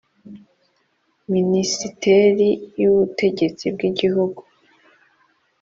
minisiteri y ubutegetsi bw igihugu